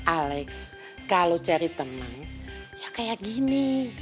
alex kalau cari teman ya kayak gini